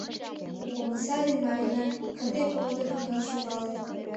Ониса ден Марина кыде-годо кынел шогалыт.